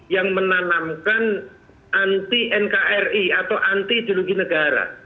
yang menanamkan anti nkri atau anti ideologi negara